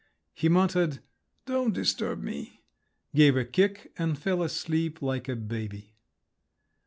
He muttered, "Don't disturb me!" gave a kick, and fell asleep, like a baby.